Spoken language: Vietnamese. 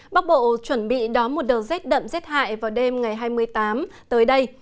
bắc bộ chuẩn bị đón một đợt rét đậm rét hại vào đêm ngày hai mươi tám tới đây